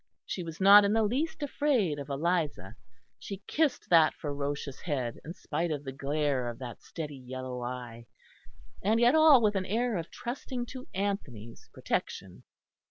She was not in the least afraid of Eliza. She kissed that ferocious head in spite of the glare of that steady yellow eye; and yet all with an air of trusting to Anthony's protection.